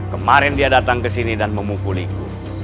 kemarin dia datang ke sini dan memukuliku